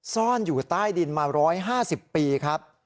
ซ่อนอยู่ใต้ดินมา๑๕๐ปีครับ